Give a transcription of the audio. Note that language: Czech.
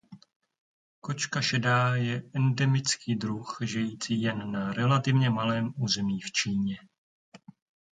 Kočka šedá je endemický druh žijící jen na relativně malém území v Číně.